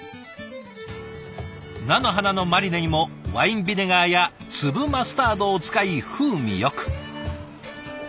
菜の花のマリネにもワインビネガーや粒マスタードを使い風味よく。